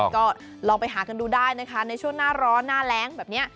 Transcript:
ก็ลองไปหากันดูได้นะคะในช่วงหน้าร้อนหน้าแรงแบบนี้